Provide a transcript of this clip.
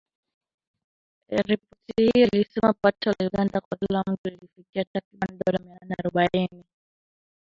Ripoti hiyo ilisema pato la Uganda kwa kila mtu lilifikia takriban dola mia nane arubaini